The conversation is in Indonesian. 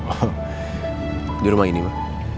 oh di rumah ini mbak